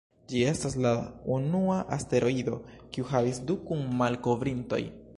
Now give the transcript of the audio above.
Ĝi estas la unua asteroido, kiu havis du kun-malkovrintoj.